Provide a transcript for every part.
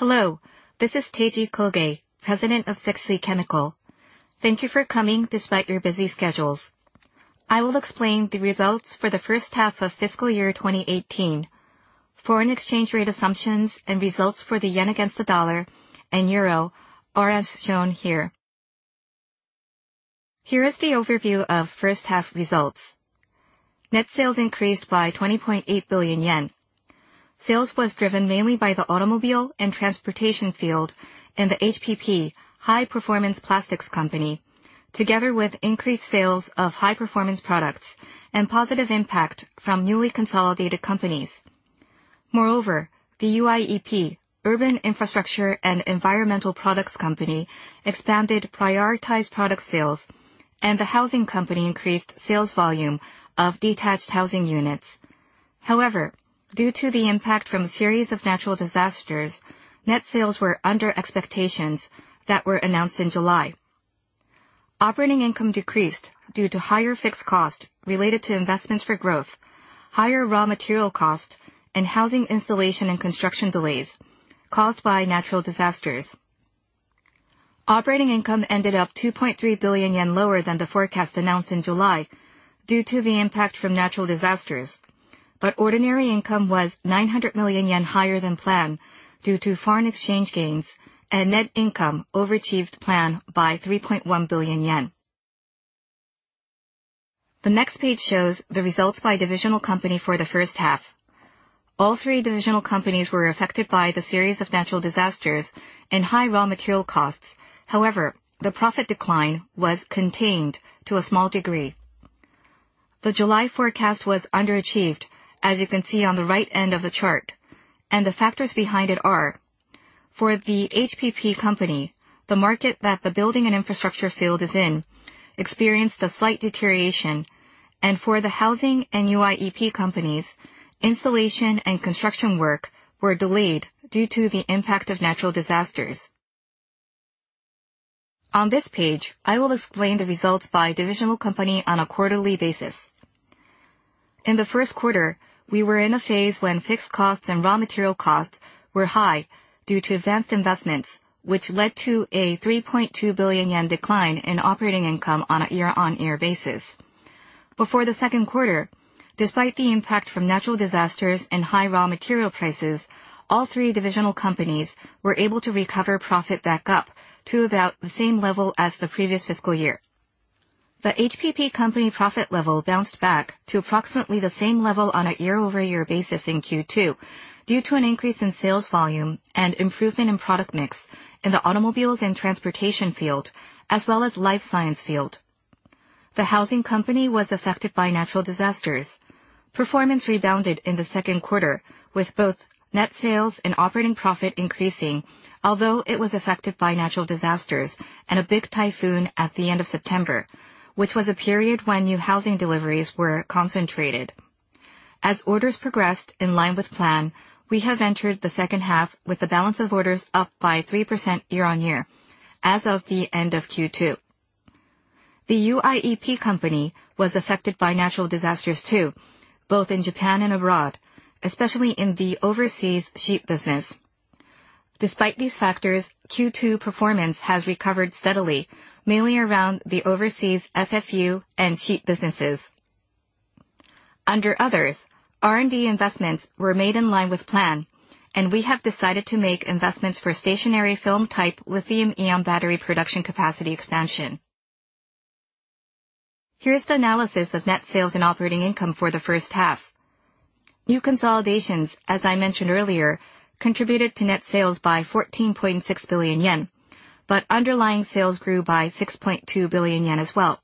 Hello, this is Teiji Koge, President of Sekisui Chemical. Thank you for coming despite your busy schedules. I will explain the results for the first half of fiscal year 2018. Foreign exchange rate assumptions and results for the yen against the dollar and euro are as shown here. Here is the overview of first-half results. Net sales increased by 20.8 billion yen. Sales was driven mainly by the automobile and transportation field and the HPP, High Performance Plastics Company, together with increased sales of high-performance products and positive impact from newly consolidated companies. Moreover, the UIEP, Urban Infrastructure and Environmental Products Company, expanded prioritized product sales, and the Housing Company increased sales volume of detached housing units. However, due to the impact from a series of natural disasters, net sales were under expectations that were announced in July. Operating income decreased due to higher fixed cost related to investments for growth, higher raw material cost, and housing installation and construction delays caused by natural disasters. Operating income ended up 2.3 billion yen lower than the forecast announced in July due to the impact from natural disasters. Ordinary income was 900 million yen higher than planned due to foreign exchange gains, and net income overachieved plan by 3.1 billion yen. The next page shows the results by divisional company for the first half. All three divisional companies were affected by the series of natural disasters and high raw material costs. However, the profit decline was contained to a small degree. The July forecast was underachieved, as you can see on the right end of the chart, and the factors behind it are, for the HPP Company, the market that the building and infrastructure field is in experienced a slight deterioration. For the Housing and UIEP Companies, installation and construction work were delayed due to the impact of natural disasters. On this page, I will explain the results by divisional company on a quarterly basis. In the first quarter, we were in a phase when fixed costs and raw material costs were high due to advanced investments, which led to a 3.2 billion yen decline in operating income on a year-on-year basis. Before the second quarter, despite the impact from natural disasters and high raw material prices, all three divisional companies were able to recover profit back up to about the same level as the previous fiscal year. The HPP Company profit level bounced back to approximately the same level on a year-over-year basis in Q2 due to an increase in sales volume and improvement in product mix in the automobiles and transportation field, as well as life science field. The Housing Company was affected by natural disasters. Performance rebounded in the second quarter with both net sales and operating profit increasing, although it was affected by natural disasters and a big typhoon at the end of September, which was a period when new housing deliveries were concentrated. As orders progressed in line with plan, we have entered the second half with the balance of orders up by 3% year-on-year as of the end of Q2. The UIEP Company was affected by natural disasters too, both in Japan and abroad, especially in the overseas sheet business. Despite these factors, Q2 performance has recovered steadily, mainly around the overseas FFU and sheet businesses. Under others, R&D investments were made in line with plan, and we have decided to make investments for stationary film type lithium-ion battery production capacity expansion. Here's the analysis of net sales and operating income for the first half. New consolidations, as I mentioned earlier, contributed to net sales by 14.6 billion yen, but underlying sales grew by 6.2 billion yen as well.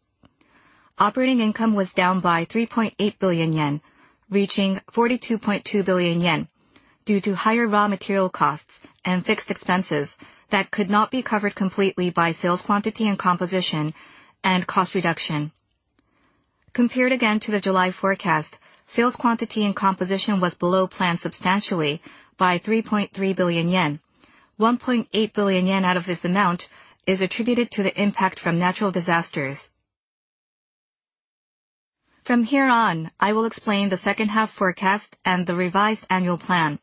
Operating income was down by 3.8 billion yen, reaching 42.2 billion yen due to higher raw material costs and fixed expenses that could not be covered completely by sales quantity and composition and cost reduction. Compared again to the July forecast, sales quantity and composition was below plan substantially by 3.3 billion yen. 1.8 billion yen out of this amount is attributed to the impact from natural disasters. From here on, I will explain the second half forecast and the revised annual plan.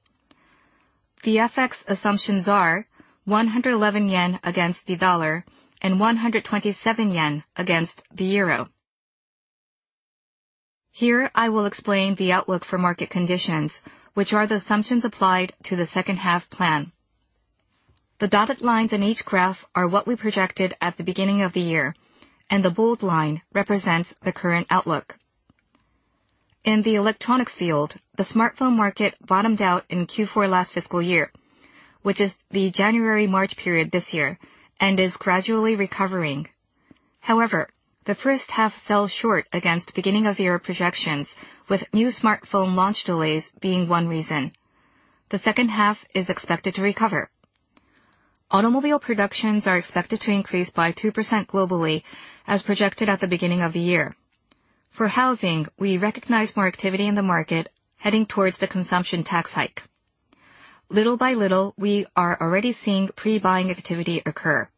The FX assumptions are 111 yen against the USD and JPY 127 against the EUR. Here, I will explain the outlook for market conditions, which are the assumptions applied to the second half plan. The dotted lines in each graph are what we projected at the beginning of the year, and the bold line represents the current outlook. In the electronics field, the smartphone market bottomed out in Q4 last fiscal year, which is the January-March period this year, and is gradually recovering. However, the first half fell short against beginning of year projections, with new smartphone launch delays being one reason. The second half is expected to recover. Automobile productions are expected to increase by 2% globally as projected at the beginning of the year. For housing, we recognize more activity in the market heading towards the consumption tax hike. Little by little, we are already seeing pre-buying activity occur.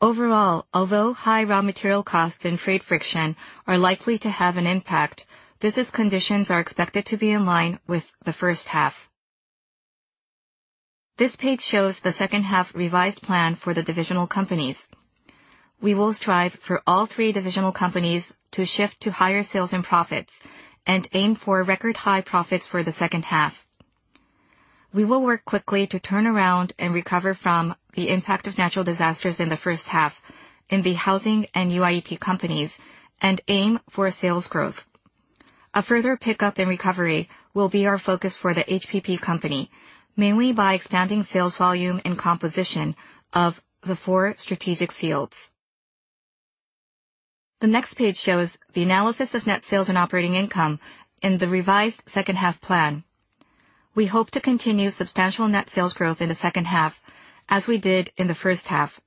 Overall, although high raw material costs and trade friction are likely to have an impact, business conditions are expected to be in line with the first half. This page shows the second half revised plan for the divisional companies. We will strive for all three divisional companies to shift to higher sales and profits and aim for record high profits for the second half. We will work quickly to turn around and recover from the impact of natural disasters in the first half in the Housing and UIEP Companies and aim for sales growth. A further pickup in recovery will be our focus for the HPP Company, mainly by expanding sales volume and composition of the four strategic fields. The next page shows the analysis of net sales and operating income in the revised second half plan. We hope to continue substantial net sales growth in the second half as we did in the first half.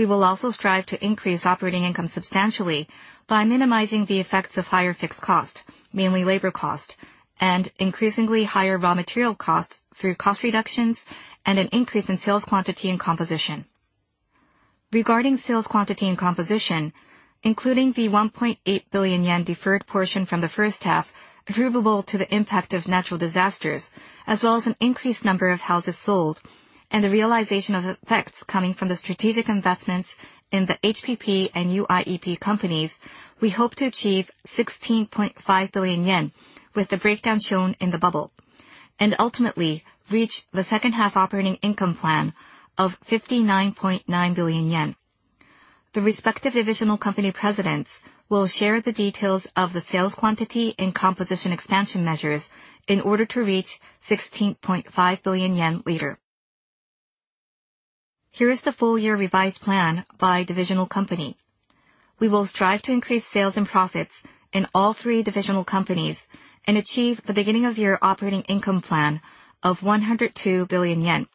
We will also strive to increase operating income substantially by minimizing the effects of higher fixed cost, mainly labor cost, and increasingly higher raw material costs through cost reductions and an increase in sales quantity and composition. Regarding sales quantity and composition, including the 1.8 billion yen deferred portion from the first half, attributable to the impact of natural disasters, as well as an increased number of houses sold, and the realization of effects coming from the strategic investments in the HPP and UIEP Companies, we hope to achieve 16.5 billion yen with the breakdown shown in the bubble, and ultimately reach the second half operating income plan of 59.9 billion yen. The respective divisional company presidents will share the details of the sales quantity and composition expansion measures in order to reach 16.5 billion yen later. Here is the full year revised plan by divisional company. We will strive to increase sales and profits in all three divisional companies and achieve the beginning of year operating income plan of 102 billion yen.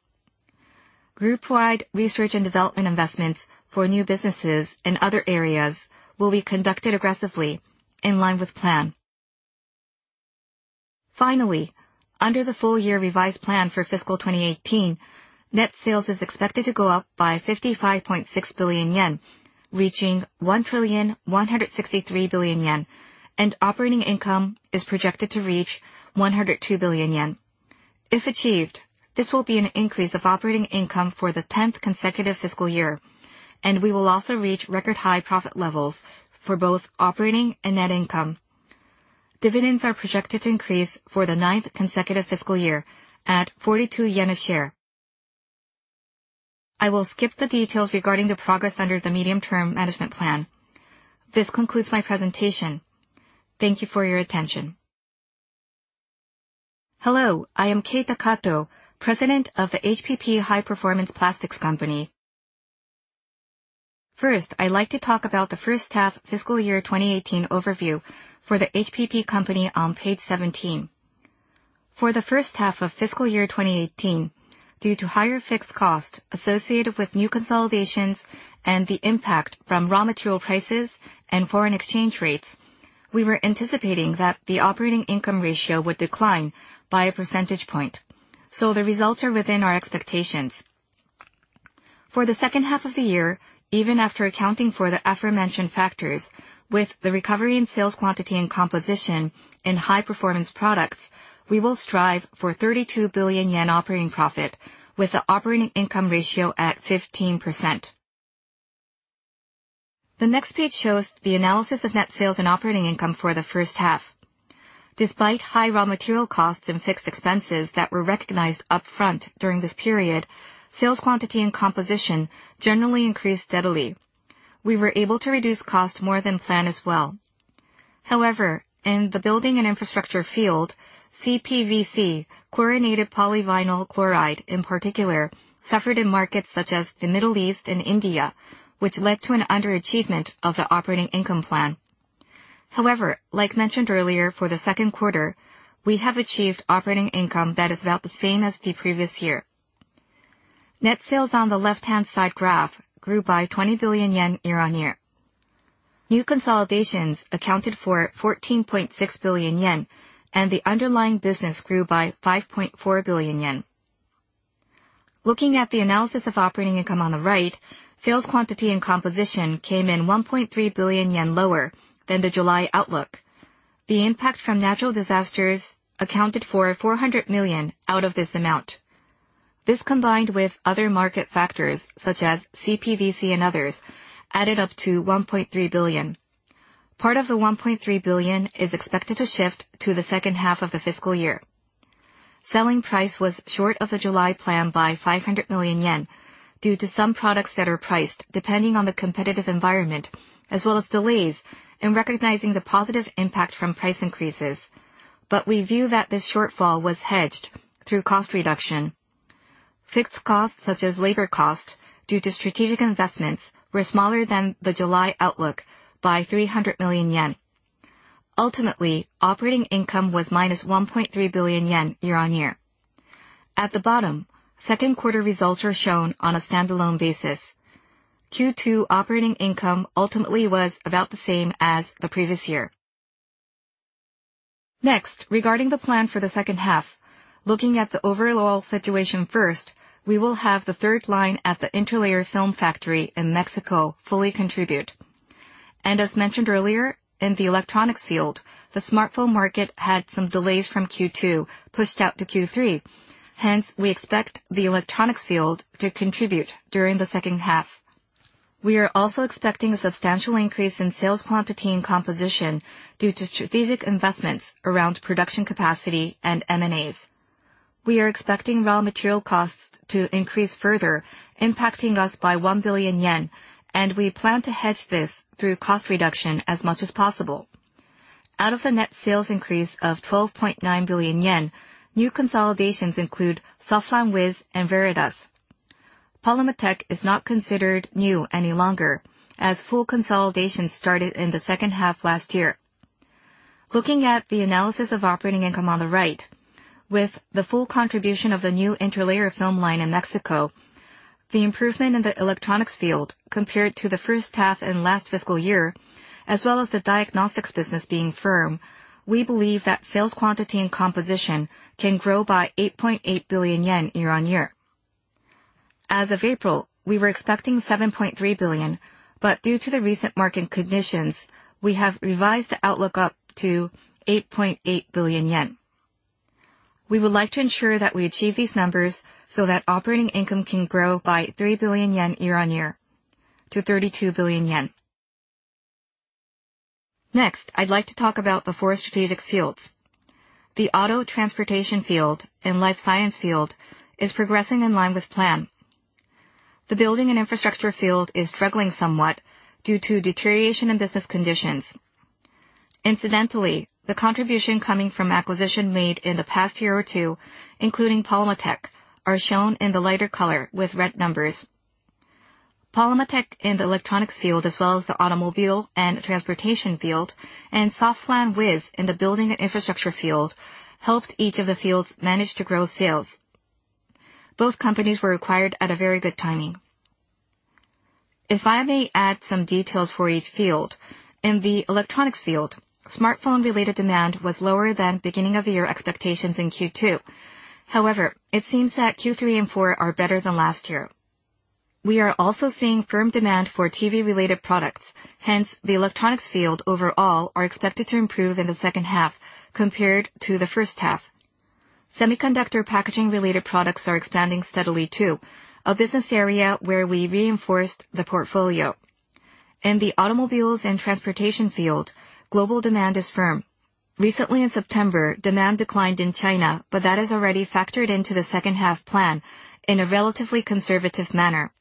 Group-wide research and development investments for new businesses in other areas will be conducted aggressively in line with plan. Finally, under the full year revised plan for fiscal 2018, net sales is expected to go up by 55.6 billion yen, reaching 1,163 billion yen, and operating income is projected to reach 102 billion yen. If achieved, this will be an increase of operating income for the tenth consecutive fiscal year, and we will also reach record high profit levels for both operating and net income. Dividends are projected to increase for the ninth consecutive fiscal year at 42 yen a share. I will skip the details regarding the progress under the medium-term management plan. This concludes my presentation. Thank you for your attention. Hello, I am Keita Kato, President of the HPP High Performance Plastics Company. First, I'd like to talk about the first half fiscal year 2018 overview for the HPP company on page 17. For the first half of fiscal year 2018, due to higher fixed cost associated with new consolidations and the impact from raw material prices and foreign exchange rates, we were anticipating that the operating income ratio would decline by a percentage point. The results are within our expectations. For the second half of the year, even after accounting for the aforementioned factors, with the recovery in sales quantity and composition in high performance products, we will strive for 32 billion yen operating profit with the operating income ratio at 15%. The next page shows the analysis of net sales and operating income for the first half. Despite high raw material costs and fixed expenses that were recognized upfront during this period, sales quantity and composition generally increased steadily. We were able to reduce cost more than planned as well. However, in the building and infrastructure field, CPVC, chlorinated polyvinyl chloride, in particular, suffered in markets such as the Middle East and India, which led to an underachievement of the operating income plan. However, like mentioned earlier, for the second quarter, we have achieved operating income that is about the same as the previous year. Net sales on the left-hand side graph grew by 20 billion yen year-on-year. New consolidations accounted for 14.6 billion yen, and the underlying business grew by 5.4 billion yen. Looking at the analysis of operating income on the right, sales quantity and composition came in 1.3 billion yen lower than the July outlook. The impact from natural disasters accounted for 400 million out of this amount. This, combined with other market factors such as CPVC and others, added up to 1.3 billion. Part of the 1.3 billion is expected to shift to the second half of the fiscal year. Selling price was short of the July plan by 500 million yen due to some products that are priced depending on the competitive environment, as well as delays in recognizing the positive impact from price increases. We view that this shortfall was hedged through cost reduction. Fixed costs, such as labor cost due to strategic investments, were smaller than the July outlook by 300 million yen. Ultimately, operating income was -1.3 billion yen year-on-year. At the bottom, second quarter results are shown on a standalone basis. Q2 operating income ultimately was about the same as the previous year. Next, regarding the plan for the second half, looking at the overall situation first, we will have the third line at the interlayer film factory in Mexico fully contribute. As mentioned earlier, in the electronics field, the smartphone market had some delays from Q2 pushed out to Q3. Hence, we expect the electronics field to contribute during the second half. We are also expecting a substantial increase in sales quantity and composition due to strategic investments around production capacity and M&As. We are expecting raw material costs to increase further, impacting us by 1 billion yen. We plan to hedge this through cost reduction as much as possible. Out of the net sales increase of 12.9 billion yen, new consolidations include SoflanWiz and Veredus. Polymatech is not considered new any longer as full consolidation started in the second half last year. Looking at the analysis of operating income on the right, with the full contribution of the new interlayer film line in Mexico, the improvement in the electronics field compared to the first half and last fiscal year, as well as the diagnostics business being firm, we believe that sales quantity and composition can grow by 8.8 billion yen year-on-year. As of April, we were expecting 7.3 billion, but due to the recent market conditions, we have revised the outlook up to 8.8 billion yen. We would like to ensure that we achieve these numbers so that operating income can grow by 3 billion yen year-on-year to 32 billion yen. Next, I'd like to talk about the four strategic fields. The auto transportation field and life science field is progressing in line with plan. The building and infrastructure field is struggling somewhat due to deterioration in business conditions. Incidentally, the contribution coming from acquisition made in the past year or two, including Polymatech, are shown in the lighter color with red numbers. Polymatech in the electronics field, as well as the automobile and transportation field, and SoflanWiz in the building and infrastructure field, helped each of the fields manage to grow sales. Both companies were acquired at a very good timing. If I may add some details for each field. In the electronics field, smartphone-related demand was lower than beginning of year expectations in Q2. It seems that Q3 and 4 are better than last year. We are also seeing firm demand for TV-related products. Hence, the electronics field overall is expected to improve in the second half compared to the first half. Semiconductor packaging-related products are expanding steadily too, a business area where we reinforced the portfolio. In the automobiles and transportation field, global demand is firm. Recently in September, demand declined in China, that is already factored into the second half plan in a relatively conservative manner.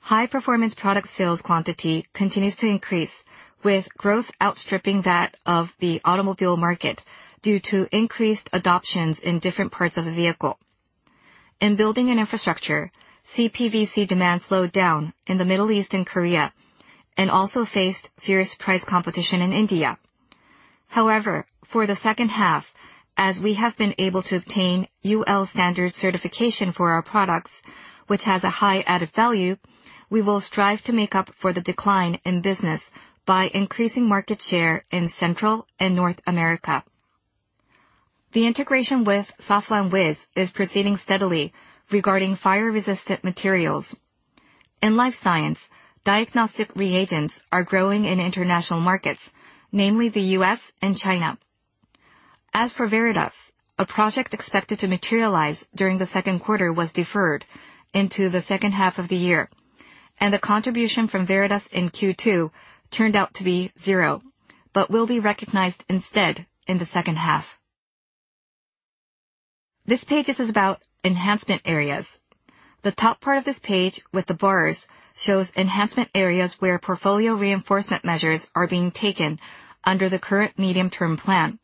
High-performance product sales quantity continues to increase, with growth outstripping that of the automobile market due to increased adoptions in different parts of the vehicle. In building and infrastructure, CPVC demand slowed down in the Middle East and Korea, and also faced fierce price competition in India. However, for the second half, as we have been able to obtain UL standard certification for our products, which has a high added value, we will strive to make up for the decline in business by increasing market share in Central and North America. The integration with SoflanWiz is proceeding steadily regarding fire-resistant materials. In life science, diagnostic reagents are growing in international markets, namely the U.S. and China. As for Veredus, a project expected to materialize during the second quarter was deferred into the second half of the year, and the contribution from Veredus in Q2 turned out to be zero, but will be recognized instead in the second half. This page is about enhancement areas. The top part of this page with the bars shows enhancement areas where portfolio reinforcement measures are being taken under the current medium-term plan.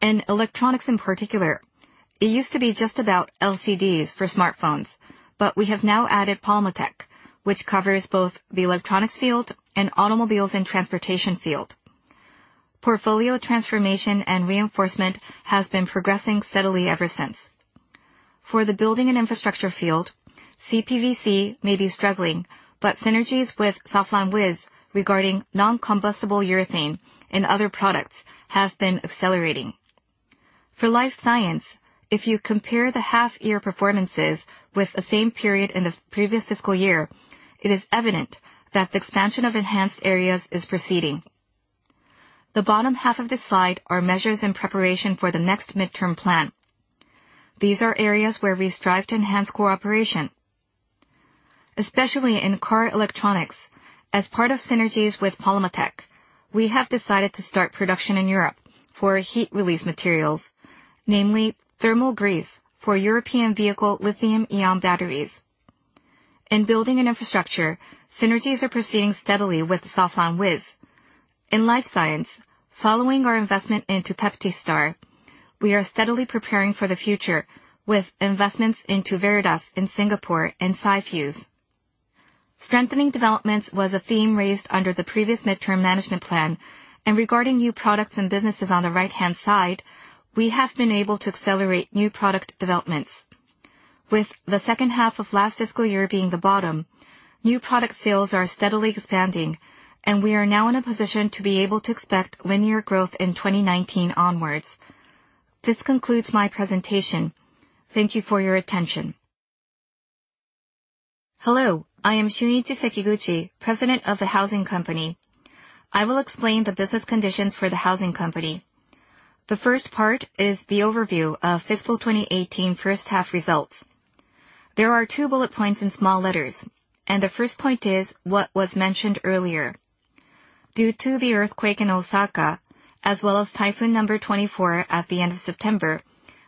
In electronics in particular, it used to be just about LCDs for smartphones, but we have now added Polymatech, which covers both the electronics field and automobiles and transportation field. Portfolio transformation and reinforcement has been progressing steadily ever since. For the building and infrastructure field, CPVC may be struggling, but synergies with SoflanWiz regarding non-combustible urethane and other products have been accelerating. For life science, if you compare the half-year performances with the same period in the previous fiscal year, it is evident that the expansion of enhanced areas is proceeding. The bottom half of this slide are measures in preparation for the next midterm plan. These are areas where we strive to enhance cooperation. Especially in car electronics, as part of synergies with Polymatech, we have decided to start production in Europe for heat release materials, namely thermal grease for European vehicle lithium-ion batteries. In building an infrastructure, synergies are proceeding steadily with SoflanWiz. In life science, following our investment into PeptiStar, we are steadily preparing for the future with investments into Veredus in Singapore and SciFuze. Strengthening developments was a theme raised under the previous midterm management plan, and regarding new products and businesses on the right-hand side, we have been able to accelerate new product developments. With the second half of last fiscal year being the bottom, new product sales are steadily expanding, and we are now in a position to be able to expect linear growth in 2019 onwards. This concludes my presentation. Thank you for your attention. Hello, I am Shunichi Sekiguchi, President of the Housing Company. I will explain the business conditions for the Housing Company. The first part is the overview of fiscal 2018 first-half results. There are two bullet points in small letters, and the first point is what was mentioned earlier. Due to the earthquake in Osaka, as well as typhoon number 24 at the end of September,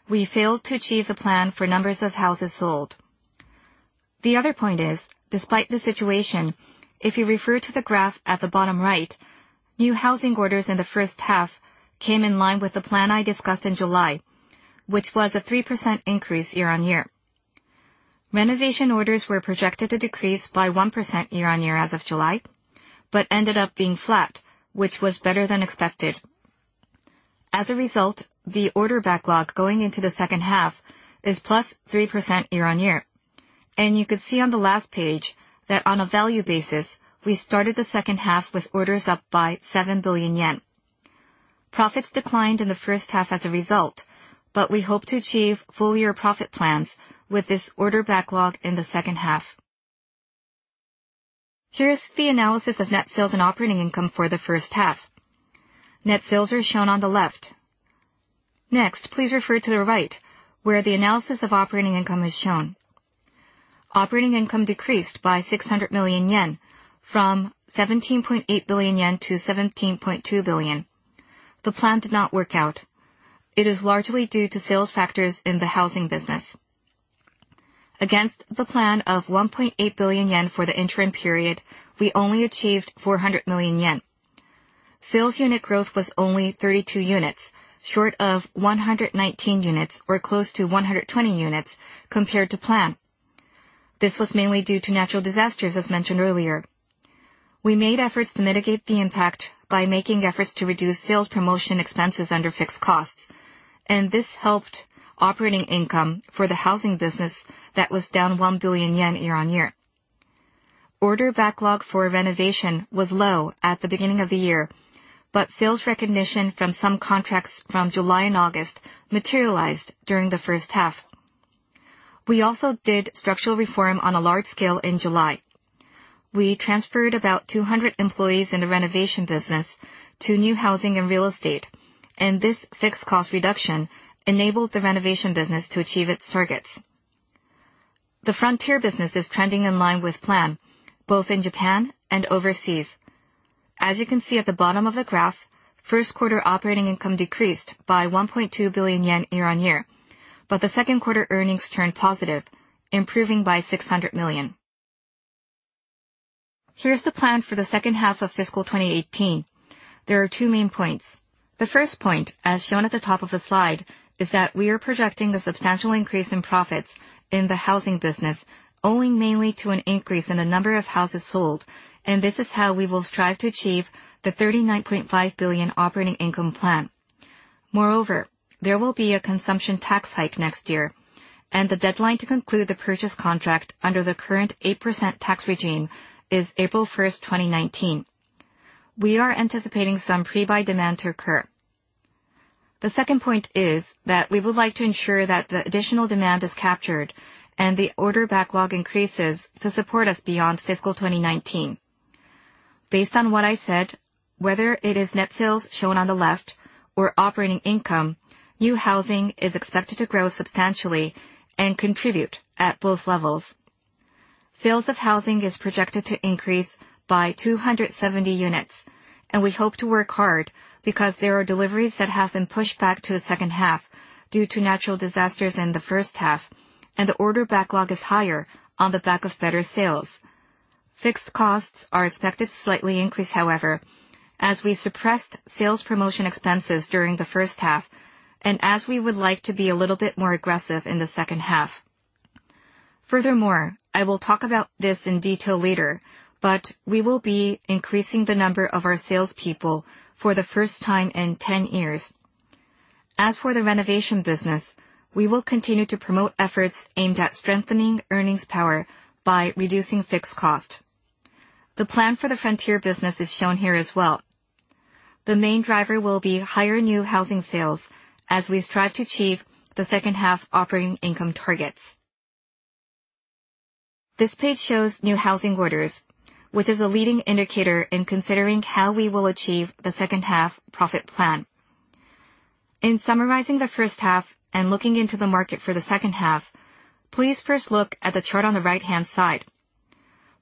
we failed to achieve the plan for numbers of houses sold. The other point is, despite the situation, if you refer to the graph at the bottom right, new housing orders in the first half came in line with the plan I discussed in July, which was a 3% increase year-on-year. Renovation orders were projected to decrease by 1% year-on-year as of July, but ended up being flat, which was better than expected. As a result, the order backlog going into the second half is +3% year-on-year. You could see on the last page that on a value basis, we started the second half with orders up by 7 billion yen. Profits declined in the first half as a result, we hope to achieve full-year profit plans with this order backlog in the second half. Here's the analysis of net sales and operating income for the first half. Net sales are shown on the left. Next, please refer to the right, where the analysis of operating income is shown. Operating income decreased by 600 million yen from 17.8 billion yen to 17.2 billion. The plan did not work out. It is largely due to sales factors in the Housing Company. Against the plan of 1.8 billion yen for the interim period, we only achieved 400 million yen. Sales unit growth was only 32 units, short of 119 units or close to 120 units compared to plan. This was mainly due to natural disasters, as mentioned earlier. We made efforts to mitigate the impact by making efforts to reduce sales promotion expenses under fixed costs, this helped operating income for the Housing Company that was down 1 billion yen year-on-year. Order backlog for renovation was low at the beginning of the year, sales recognition from some contracts from July and August materialized during the first half. We also did structural reform on a large scale in July. We transferred about 200 employees in the renovation business to new housing and real estate, this fixed cost reduction enabled the renovation business to achieve its targets. The frontier business is trending in line with plan, both in Japan and overseas. As you can see at the bottom of the graph, first quarter operating income decreased by 1.2 billion yen year-on-year, the second quarter earnings turned positive, improving by 600 million. Here's the plan for the second half of FY 2018. There are two main points. The first point, as shown at the top of the slide, is that we are projecting a substantial increase in profits in the Housing Company, owing mainly to an increase in the number of houses sold, this is how we will strive to achieve the 39.5 billion operating income plan. Moreover, there will be a consumption tax hike next year, the deadline to conclude the purchase contract under the current 8% tax regime is April 1st, 2019. We are anticipating some pre-buy demand to occur. The second point is that we would like to ensure that the additional demand is captured and the order backlog increases to support us beyond FY 2019. Based on what I said, whether it is net sales shown on the left or operating income, new housing is expected to grow substantially, contribute at both levels. Sales of housing is projected to increase by 270 units, we hope to work hard because there are deliveries that have been pushed back to the second half due to natural disasters in the first half, the order backlog is higher on the back of better sales. Fixed costs are expected to slightly increase, however, as we suppressed sales promotion expenses during the first half as we would like to be a little bit more aggressive in the second half. Furthermore, I will talk about this in detail later, we will be increasing the number of our salespeople for the first time in 10 years. As for the renovation business, we will continue to promote efforts aimed at strengthening earnings power by reducing fixed cost. The plan for the frontier business is shown here as well. The main driver will be higher new housing sales as we strive to achieve the second half operating income targets. This page shows new housing orders, which is a leading indicator in considering how we will achieve the second half profit plan. In summarizing the first half and looking into the market for the second half, please first look at the chart on the right-hand side.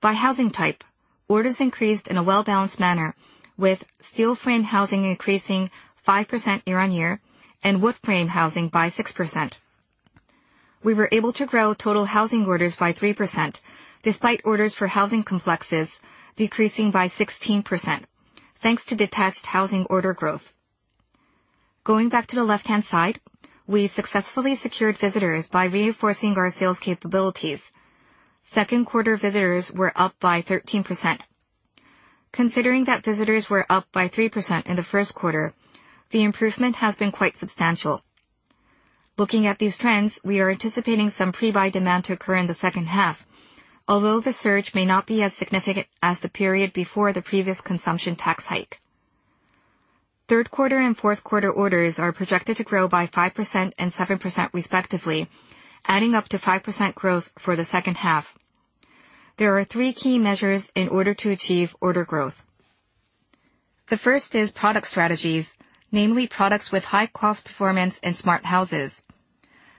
By housing type, orders increased in a well-balanced manner with steel frame housing increasing 5% year-on-year and wood frame housing by 6%. We were able to grow total housing orders by 3%, despite orders for housing complexes decreasing by 16%, thanks to detached housing order growth. Going back to the left-hand side, we successfully secured visitors by reinforcing our sales capabilities. Second quarter visitors were up by 13%. Considering that visitors were up by 3% in the first quarter, the improvement has been quite substantial. Looking at these trends, we are anticipating some pre-buy demand to occur in the second half, although the surge may not be as significant as the period before the previous consumption tax hike. Third quarter and fourth quarter orders are projected to grow by 5% and 7% respectively, adding up to 5% growth for the second half. There are three key measures in order to achieve order growth. The first is product strategies, namely products with high cost performance in smart houses.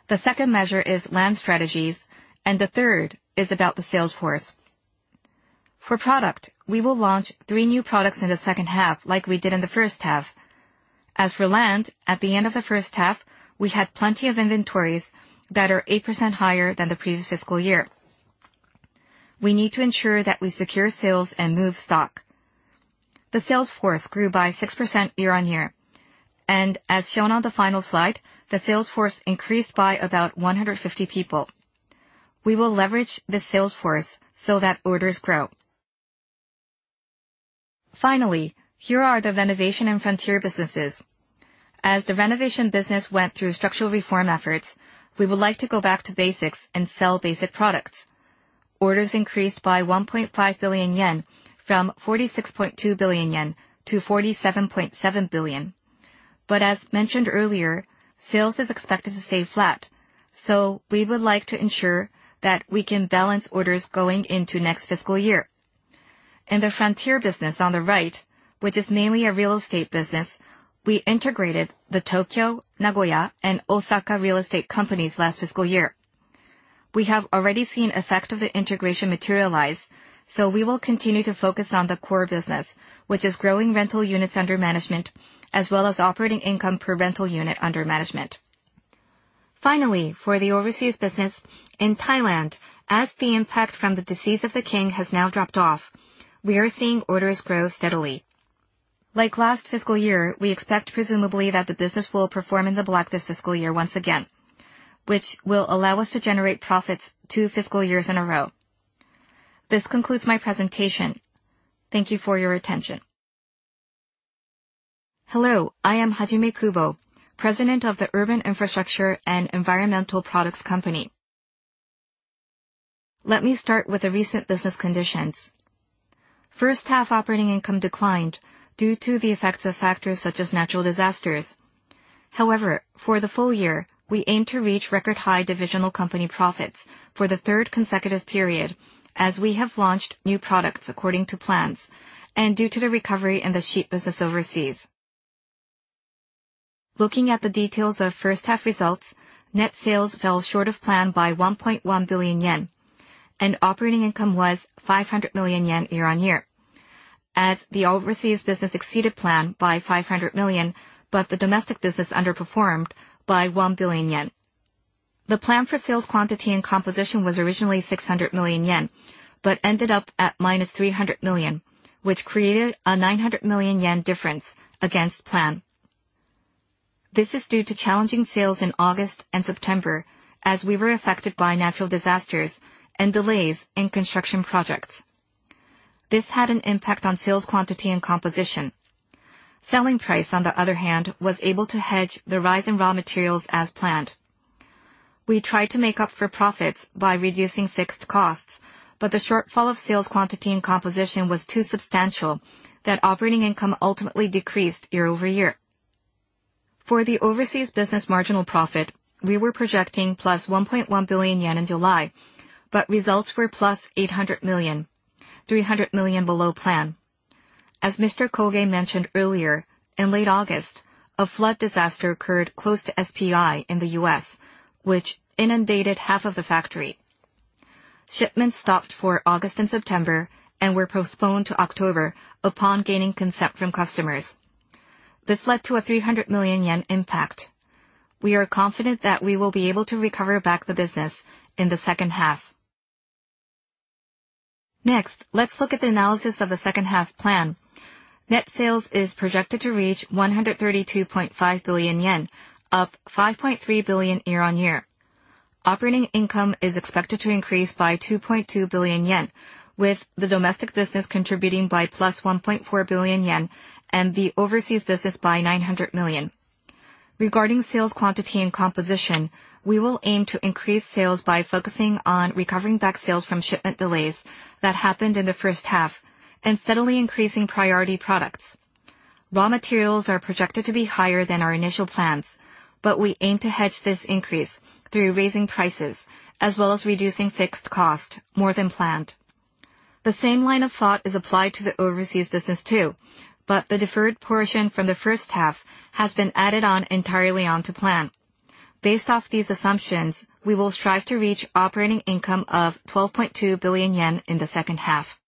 The second measure is land strategies, and the third is about the sales force. For product, we will launch three new products in the second half like we did in the first half. As for land, at the end of the first half, we had plenty of inventories that are 8% higher than the previous fiscal year. We need to ensure that we secure sales and move stock. The sales force grew by 6% year-on-year. As shown on the final slide, the sales force increased by about 150 people. We will leverage the sales force so that orders grow. Finally, here are the renovation and frontier businesses. As the renovation business went through structural reform efforts, we would like to go back to basics and sell basic products. Orders increased by 1.5 billion yen from 46.2 billion yen to 47.7 billion. As mentioned earlier, sales is expected to stay flat. We would like to ensure that we can balance orders going into next fiscal year. In the frontier business on the right, which is mainly a real estate business, we integrated the Tokyo, Nagoya, and Osaka real estate companies last fiscal year. We have already seen effect of the integration materialize, so we will continue to focus on the core business, which is growing rental units under management as well as operating income per rental unit under management. Finally, for the overseas business in Thailand, as the impact from the death of the king has now dropped off, we are seeing orders grow steadily. Like last fiscal year, we expect presumably that the business will perform in the black this fiscal year once again, which will allow us to generate profits two fiscal years in a row. This concludes my presentation. Thank you for your attention. Hello, I am Hajime Kubo, President of the Urban Infrastructure and Environmental Products Company. Let me start with the recent business conditions. First half operating income declined due to the effects of factors such as natural disasters. However, for the full year, we aim to reach record high divisional company profits for the third consecutive period as we have launched new products according to plans and due to the recovery in the sheet business overseas. Looking at the details of first half results, net sales fell short of plan by 1.1 billion yen, and operating income was 500 million yen year-on-year. The overseas business exceeded plan by 500 million, but the domestic business underperformed by 1 billion yen. The plan for sales quantity and composition was originally 600 million yen, but ended up at minus 300 million, which created a 900 million yen difference against plan. This is due to challenging sales in August and September, as we were affected by natural disasters and delays in construction projects. This had an impact on sales quantity and composition. Selling price, on the other hand, was able to hedge the rise in raw materials as planned. We tried to make up for profits by reducing fixed costs, but the shortfall of sales quantity and composition was too substantial that operating income ultimately decreased year-over-year. For the overseas business marginal profit, we were projecting plus 1.1 billion yen in July, but results were plus 800 million, 300 million below plan. Mr. Koge mentioned earlier, in late August, a flood disaster occurred close to SPI in the U.S., which inundated half of the factory. Shipments stopped for August and September and were postponed to October upon gaining consent from customers. This led to a 300 million yen impact. We are confident that we will be able to recover back the business in the second half. Next, let's look at the analysis of the second half plan. Net sales is projected to reach 132.5 billion yen, up 5.3 billion year-on-year. Operating income is expected to increase by 2.2 billion yen, with the domestic business contributing by plus 1.4 billion yen and the overseas business by 900 million. Regarding sales quantity and composition, we will aim to increase sales by focusing on recovering back sales from shipment delays that happened in the first half and steadily increasing priority products. Raw materials are projected to be higher than our initial plans, but we aim to hedge this increase through raising prices as well as reducing fixed cost more than planned. The same line of thought is applied to the overseas business too, but the deferred portion from the first half has been added on entirely onto plan. Based off these assumptions, we will strive to reach operating income of 12.2 billion yen in the second half.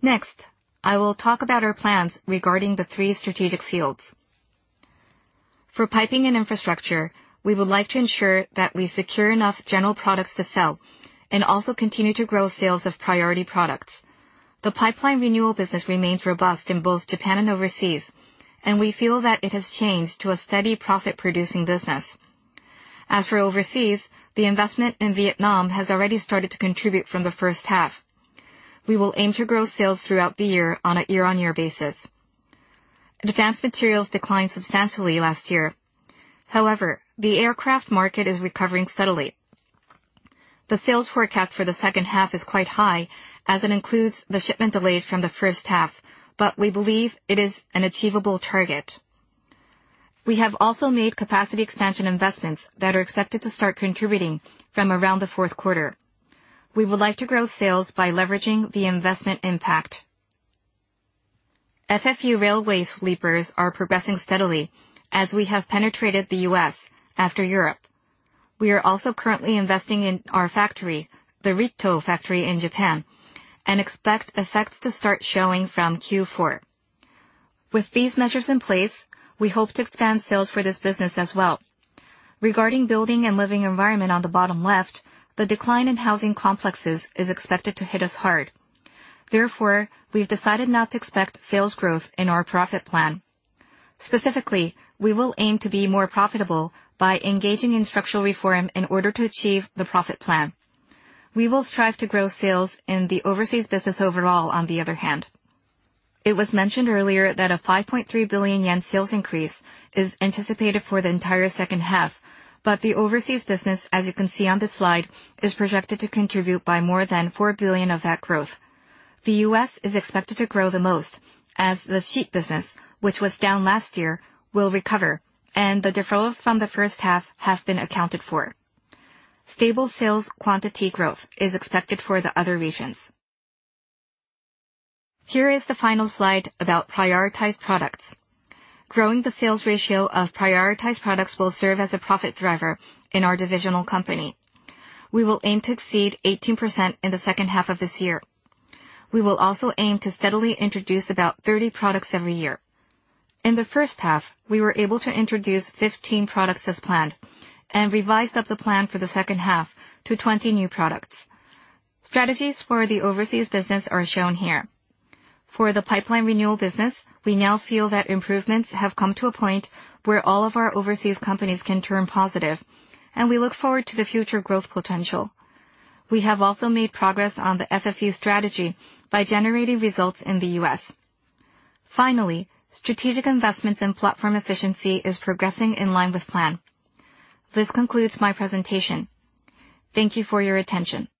Next, I will talk about our plans regarding the three strategic fields. For piping and infrastructure, we would like to ensure that we secure enough general products to sell and also continue to grow sales of priority products. The pipeline renewal business remains robust in both Japan and overseas, and we feel that it has changed to a steady profit-producing business. As for overseas, the investment in Vietnam has already started to contribute from the first half. We will aim to grow sales throughout the year on a year-on-year basis. The aircraft market is recovering steadily. The sales forecast for the second half is quite high as it includes the shipment delays from the first half, but we believe it is an achievable target. We have also made capacity expansion investments that are expected to start contributing from around the fourth quarter. We would like to grow sales by leveraging the investment impact. FFU railway sleepers are progressing steadily as we have penetrated the U.S. after Europe. We are also currently investing in our factory, the Ritto factory in Japan, and expect effects to start showing from Q4. With these measures in place, we hope to expand sales for this business as well. Regarding building and living environment on the bottom left, the decline in housing complexes is expected to hit us hard. Therefore, we've decided not to expect sales growth in our profit plan. Specifically, we will aim to be more profitable by engaging in structural reform in order to achieve the profit plan. We will strive to grow sales in the overseas business overall, on the other hand. It was mentioned earlier that a 5.3 billion yen sales increase is anticipated for the entire second half, but the overseas business, as you can see on this slide, is projected to contribute by more than JYP 4 billion of that growth. The U.S. is expected to grow the most as the sheet business, which was down last year, will recover, and the deferrals from the first half have been accounted for. Stable sales quantity growth is expected for the other regions. Here is the final slide about prioritized products. Growing the sales ratio of prioritized products will serve as a profit driver in our divisional company. We will aim to exceed 18% in the second half of this year. We will also aim to steadily introduce about 30 products every year. In the first half, we were able to introduce 15 products as planned and revised up the plan for the second half to 20 new products. Strategies for the overseas business are shown here. For the pipeline renewal business, we now feel that improvements have come to a point where all of our overseas companies can turn positive, and we look forward to the future growth potential. We have also made progress on the FFU strategy by generating results in the U.S. Finally, strategic investments in platform efficiency is progressing in line with plan. This concludes my presentation. Thank you for your attention.